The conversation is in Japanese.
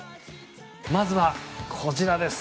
まずはこちらです。